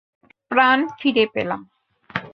প্রাণ ফিরে পেলাম।